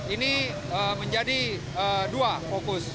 ini menjadi dua fokus